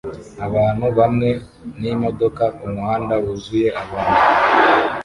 Abantu bamwe n'imodoka kumuhanda wuzuye abantu